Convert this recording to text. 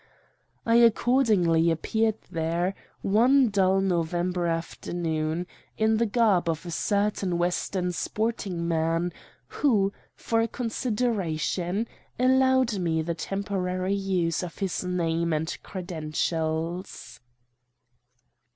I accordingly appeared there, one dull November afternoon, in the garb of a certain western sporting man, who, for a consideration, allowed me the temporary use of his name and credentials.